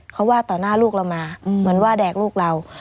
เขาว่าต่อหน้าลูกเรามาเหมือนว่าแดกลูกเรา